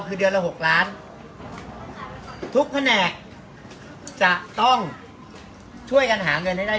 คือเดือนละ๖ล้านทุกแผนกจะต้องช่วยกันหาเงินให้ได้